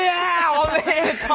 おめでとう！